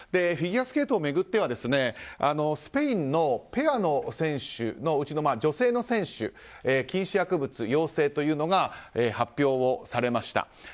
フィギュアスケートを巡ってはスペインのペアの選手のうちの女性の選手、禁止薬物陽性が発表されました。